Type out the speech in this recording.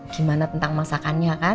gimana tentang masakannya kan